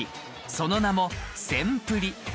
その名も、せんプリ。